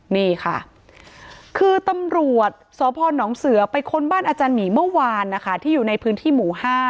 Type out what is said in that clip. นี่ค่ะคือตำรวจสพนเสือไปค้นบ้านอาจารย์หมีเมื่อวานนะคะที่อยู่ในพื้นที่หมู่๕